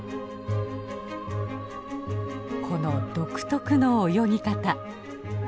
この独特の泳ぎ方